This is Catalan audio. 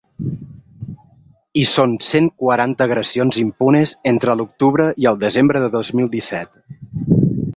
I són cent quaranta agressions impunes entre l’octubre i el desembre del dos mil disset.